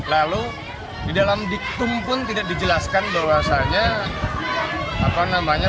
lalu di dalam diktum pun tidak dijelaskan bahwasannya